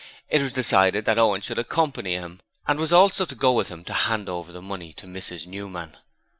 It was decided that Owen should accompany him and also go with him to hand over the money to Mrs Newman.